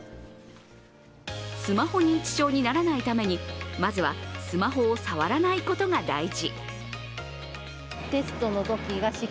スマホ認知症にならないためにまずはスマホを触らないことが大事。